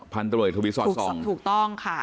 พันธุรกิจศาสตร์๒ถูกต้องค่ะ